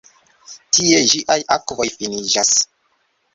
Tie ĝiaj akvoj finiĝas.